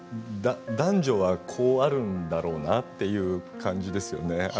男女はこうあるんだろうなという感じですよね。